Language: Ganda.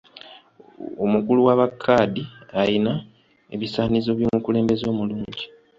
Omukulu wa ba kadhi ayina ebisaanizo by'omukulembeze omulungi.